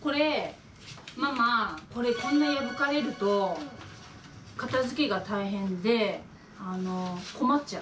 ママこれこんな破かれると片づけが大変で困っちゃう。